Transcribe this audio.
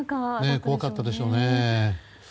怖かったでしょうね。